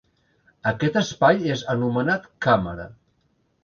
Aquest espai és anomenat càmera.